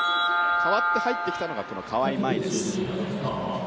代わって入ってきたのがこの川井麻衣です。